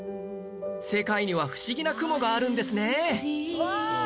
世界には不思議な雲があるんですね！